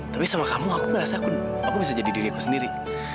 tapi sama kamu aku gak rasa aku bisa jadi diriku sendiri